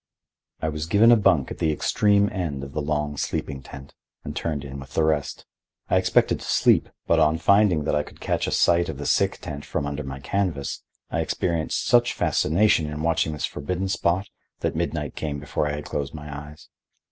I was given a bunk at the extreme end of the long sleeping tent, and turned in with the rest. I expected to sleep, but on finding that I could catch a sight of the sick tent from under the canvas, I experienced such fascination in watching this forbidden spot that midnight came before I had closed my eyes.